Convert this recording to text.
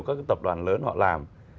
thì các cái tập đoàn lớn họ làm